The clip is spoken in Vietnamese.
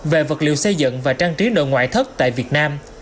về vật liệu xây dựng và trang trí nội ngoại thất tại việt nam